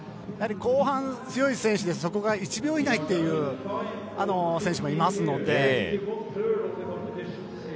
後半に強い選手では１秒以内という選手もいますので。